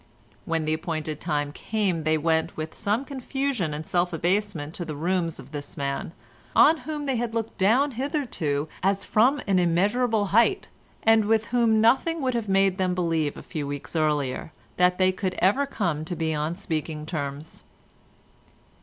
When the appointed time came they went with some confusion and self abasement to the rooms of this man, on whom they had looked down hitherto as from an immeasurable height, and with whom nothing would have made them believe a few weeks earlier that they could ever come to be on speaking terms.